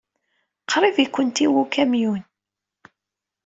Qrib ay ken-iwit ukamyun.